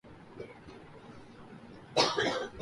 پتھر برسیں تو ادھر بغاوت اٹھی جس کے سربراہ عبداللہ